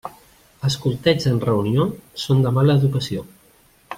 Escoltets en reunió, són de mala educació.